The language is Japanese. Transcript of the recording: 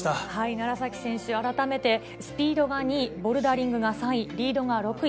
楢崎選手、改めてスピードが２位ボルダリングが３位リードが６位。